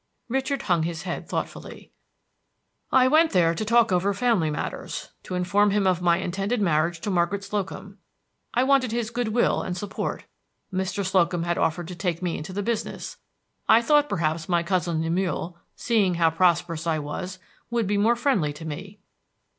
Richard hung his head thoughtfully. "I went there to talk over family matters, to inform him of my intended marriage to Margaret Slocum. I wanted his good will and support. Mr. Slocum had offered to take me into the business. I thought perhaps my cousin Lemuel, seeing how prosperous I was, would be more friendly to me."